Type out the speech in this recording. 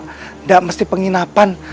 tidak mesti penginapan